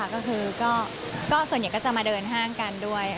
ก็คือส่วนใหญ่ก็จะมาเดินห้างกันด้วย